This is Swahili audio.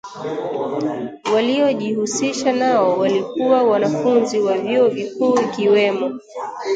waliojihusisha nao walikuwa wanafunzi wa vyuo vikuu ikiwemo